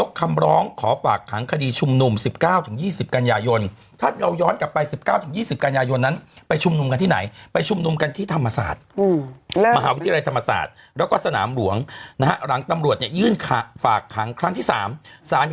ก็จะมีกระแสข่าวมาเรื่อย